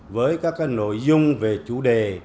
với các nội dung về chủ đề